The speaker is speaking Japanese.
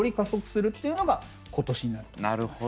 なるほど。